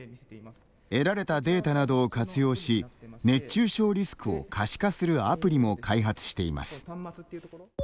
得られたデータなどを活用し熱中症リスクを可視化するアプリも開発しています。